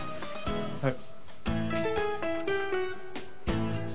はい。